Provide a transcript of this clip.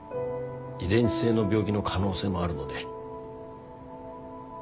遺伝性の病気の可能性もあるので。